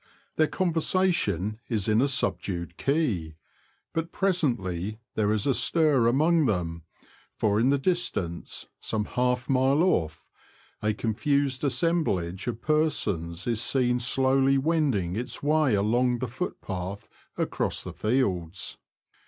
Their conversation is in a subdued key ; but presently there is a stir among them, for in the distance, some half mile off, a confused assemblage of persons is seen slowly wending its way along the footpath across the fields.